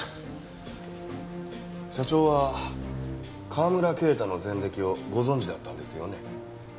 社長は川村啓太の前歴をご存じだったんですよね？